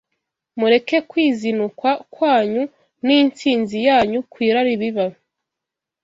Mureke kwizinukwa kwanyu n’intsinzi yanyu ku irari biba